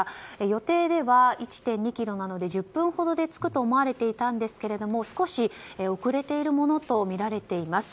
予定では１．２ｋｍなので、１０分ほどで着くと思われていたんですが少し遅れているものとみられています。